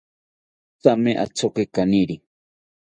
Thame athoki kaniri